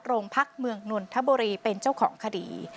โรงพักเมืองนนทบุรีเป็นเจ้าของคดี